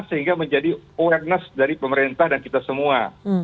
sehingga menjadi awareness dari pemerintah dan kita semua